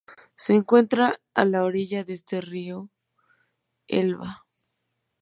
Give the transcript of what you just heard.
Se encuentra a la orilla oeste del río Elba.